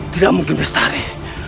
tidak mungkin bestari